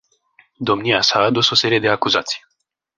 Domnia sa a adus o serie de acuzații.